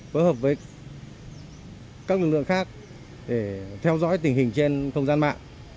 phối hợp với các lực lượng khác để theo dõi tình hình trên không gian mạng